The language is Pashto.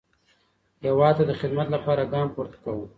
هیواد ته د خدمت لپاره ګام پورته کاوه.